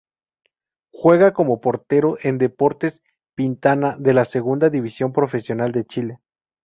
Juega como portero en Deportes Pintana de la Segunda División Profesional de Chile.